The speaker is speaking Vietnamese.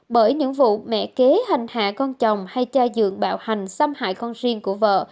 bởi những vụ mẹ kế hành hạ con chồng hay cha dượng bạo hành xâm hại con riêng của vợ